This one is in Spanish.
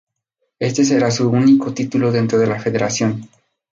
Este será su único título dentro de la federación.